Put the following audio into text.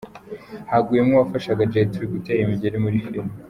Haguyemo uwafashaga Jet Li gutera imigeri muri Filime.